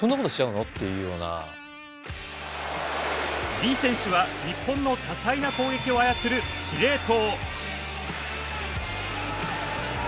李選手は日本の多彩な攻撃を操る司令塔。